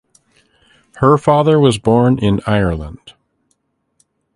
Her father was born in Ireland.